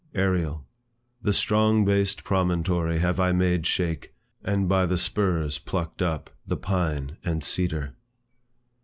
ARIEL. The strong based promontory Have I made shake, and by the spurs plucked up The pine and cedar.